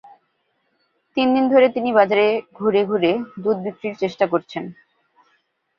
তিন দিন ধরে তিনি বাজারে ঘুরে ঘুরে দুধ বিক্রির চেষ্টা করছেন।